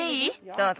どうぞ。